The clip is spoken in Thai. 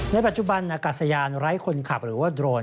ในปัจจุบันอากาศยานไร้คนขับหรือว่าโดรน